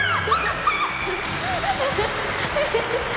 ハハハハ！